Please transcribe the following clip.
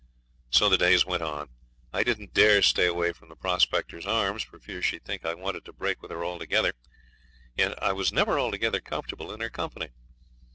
So the days went on. I didn't dare stay away from the Prospectors' Arms, for fear she'd think I wanted to break with her altogether, and yet I was never altogether comfortable in her company.